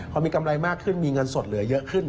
พอมีกำไรมากขึ้นมีเงินสดเหลือเยอะขึ้น